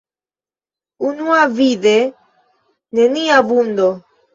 Unuavide, nenia vundo.